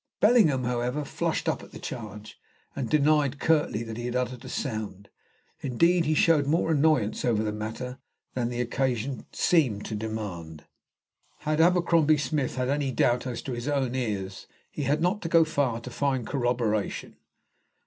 Bellingham, however, flushed up at the charge, and denied curtly that he had uttered a sound; indeed, he showed more annoyance over the matter than the occasion seemed to demand. Had Abercrombie Smith had any doubt as to his own ears he had not to go far to find corroboration.